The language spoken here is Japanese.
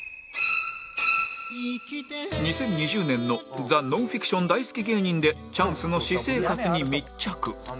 ２０２０年のザ・ノンフィクション大好き芸人でチャンスの私生活に密着